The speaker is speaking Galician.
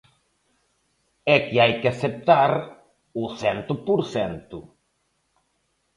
É que hai que aceptar o cento por cento.